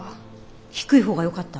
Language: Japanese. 低い方がよかった？